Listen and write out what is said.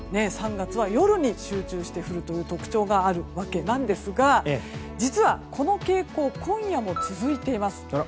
３月は夜に集中して降るという特徴があるわけなんですが実はこの傾向今夜も続いています。